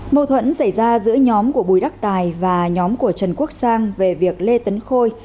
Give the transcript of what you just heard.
mâu thuẫn xảy ra giữa nhóm của bùi đắc tài và nhóm của trần quốc sang về việc lê tấn khôi